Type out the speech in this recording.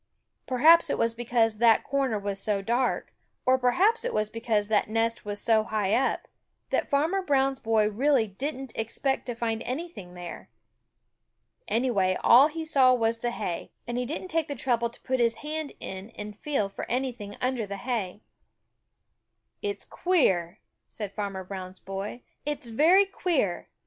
Perhaps it was because that corner was so dark, or perhaps it was because that nest was so high up, that Farmer Brown's boy really didn't expect to find anything there. Anyway, all he saw was the hay, and he didn't take the trouble to put his hand in and feel for anything under the hay. "It's queer," said Farmer Brown's boy. "It's very queer!